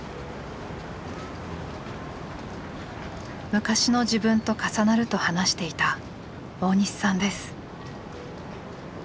昔の自分と重なると話していた大西さんです。